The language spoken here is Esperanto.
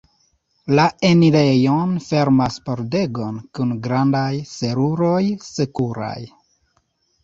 La enirejon fermas pordego kun grandaj seruroj sekuraj.